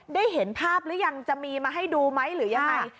ได้เห็นภาพหรือยังจะมีมาให้ดูไหมหรือยังไง